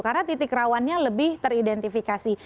karena titik rawannya lebih teridentifikasi